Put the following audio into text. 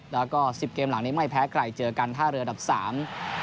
แล้วก็สิบเกมหลังนี้ไม่แพ้ใครเจอกันท่าเรืออันดับสาม